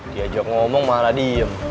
diajak ngomong malah diem